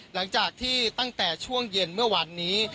หลังจากที่ตั้งแต่ช่วงเย็นเมื่อวานนี้